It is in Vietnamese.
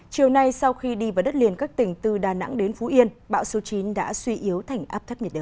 chiều nay sau khi đi vào đất liền các tỉnh từ đà nẵng đến phú yên bão số chín đã suy yếu thành áp thấp nhiệt đới